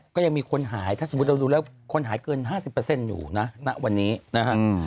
ก็ยังมีคนหายถ้าสมมุติเราดูแล้วคนหายเกิน๕๐อยู่นะณวันนี้นะฮะ